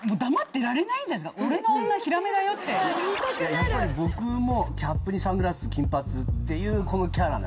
やっぱり僕もキャップにサングラス金髪っていうこのキャラなんで。